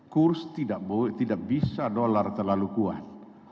kurs tidak bisa dolar terlalu kuat